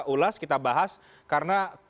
ulas kita bahas karena